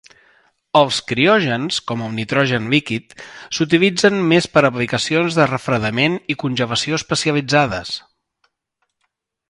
Els criògens, com el nitrogen líquid, s'utilitzen més per a aplicacions de refredament i congelació especialitzades.